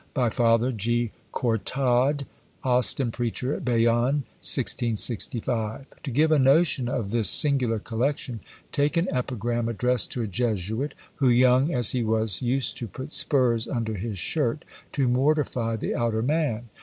By Father G. Cortade, Austin Preacher at Bayonne, 1665." To give a notion of this singular collection take an Epigram addressed to a Jesuit, who, young as he was, used to put spurs under his shirt to mortify the outer man!